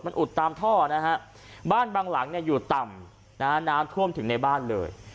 อุดตามท่อนะฮะบ้านบางหลังเนี่ยอยู่ต่ำนะฮะน้ำท่วมถึงในบ้านเลย